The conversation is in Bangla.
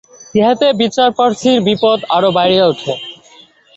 ইহাতে বিচারপ্রার্থীর বিপদ আরো বাড়িয়া উঠে।